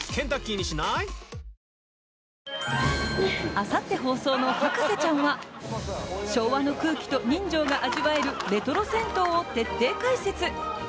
あさって放送の「博士ちゃん」は昭和の空気と人情が味わえるレトロ銭湯を徹底解説。